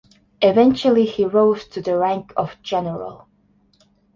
Eventually he rose to the rank of general.